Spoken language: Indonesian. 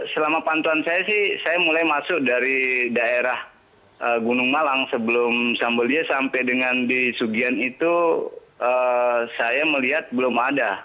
selama pantuan saya sih saya mulai masuk dari daerah gunung malang sebelum sambolia sampai dengan di sugian itu saya melihat belum ada